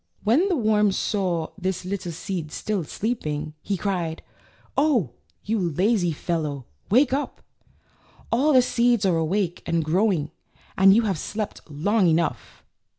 So when the worm saw this little seed still sleeping, he cried: "Oh, you lazy fellow, wake up! All the seeds are awake and grow ing, and you have slept long enough."